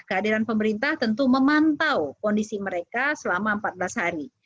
kehadiran pemerintah tentu memantau kondisi mereka selama empat belas hari